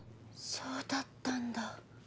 そうだったんだ。